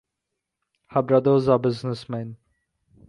Her brothers are businessmen.